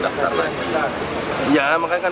kalau ingin kita sendiri pak